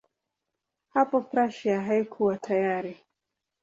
Hapo Prussia haikuwa tayari.